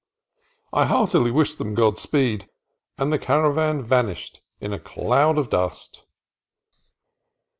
I heartily wished them Godspeed, and the caravan vanished in a cloud of dust.